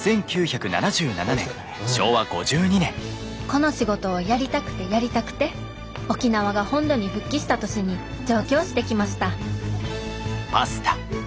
この仕事をやりたくてやりたくて沖縄が本土に復帰した年に上京してきました